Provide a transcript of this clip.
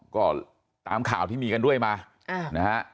ก็ตามข่าวที่มีกันด้วยมานะฮะ